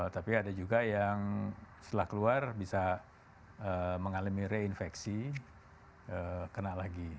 tapi ada juga yang setelah keluar bisa mengalami reinfeksi kena lagi